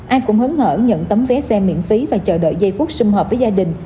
ai cũng hứng hở nhận tấm vé xe miễn phí và chờ đợi giây phút xung hợp với gia đình